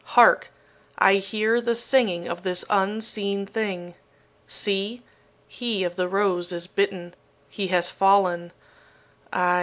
Hark! I hear the singing of this unseen thing. See! he of the rose is bitten. He has fallen. Ay!